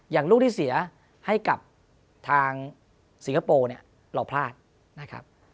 อย่างลูกที่เสียให้กับทางสิกป๊วเราพลาดนะครับ